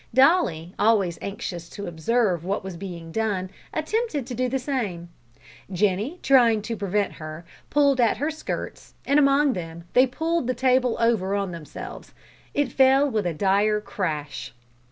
Dolly, always anxious to observe what was being done, attempted to do the same. Jenny, trying to prevent her, pulled at her skirts, and among them they pulled the table over on themselves. It fell with a dire crash.